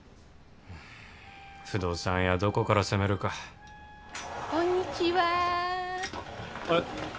不動産屋どこから攻めるかこんにちはあれ？